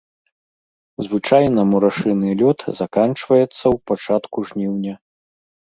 Звычайна мурашыны лёт заканчваецца ў пачатку жніўня.